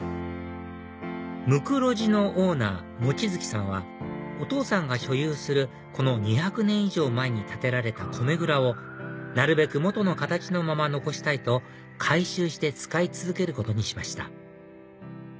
ｍｕｋｕｒｏｊｉのオーナー望月さんはお父さんが所有するこの２００年以上前に建てられた米蔵をなるべく元の形のまま残したいと改修して使い続けることにしました